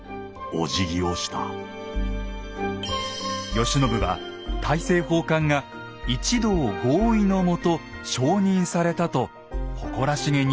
慶喜は大政奉還が一同合意のもと承認されたと誇らしげに語っています。